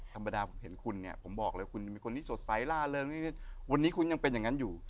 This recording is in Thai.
ธรรมดาผมเห็นคุณเนี่ยผมบอกเลยคุณเป็นคนที่สดใสล่าเริงวันนี้คุณยังเป็นอย่างนั้นอยู่